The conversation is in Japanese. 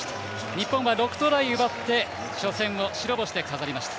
日本は６トライ奪って初戦を白星で飾りました。